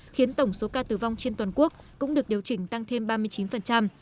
khiến tổng số ca tử vong trên toàn quốc cũng được điều chỉnh tăng thêm ba mươi chín